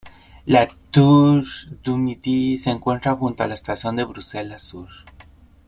La "Tour du Midi" se encuentra junto a la Estación de Bruselas Sur.